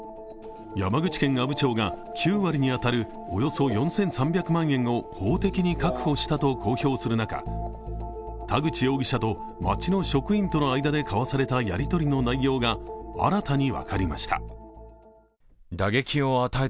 山口県阿武町が９割に当たるおよそ４３００万円を法的に確保したと公表する中田口容疑者と町の職員との間で交わされたやり取りの内容が新たに分かりました。